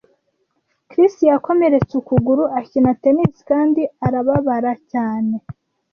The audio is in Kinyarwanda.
Chris yakomeretse ukuguru akina tennis kandi arababara cyane.